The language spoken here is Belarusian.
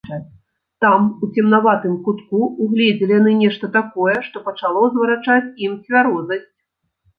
Там, у цемнаватым кутку, угледзелі яны нешта такое, што пачало зварачаць ім цвярозасць.